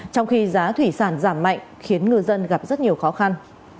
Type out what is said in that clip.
trong khi giá thủy sản giảm mạnh khiến ngư dân gặp rất nhiều khó khăn